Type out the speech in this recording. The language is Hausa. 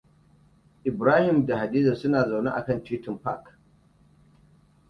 Ibrahim da Hadiza suna zaune a kan titi Park.